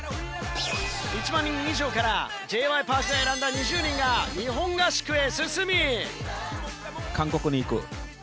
１万人以上からＪ．Ｙ．Ｐａｒｋが選んだ２０人が日本合宿へ進み。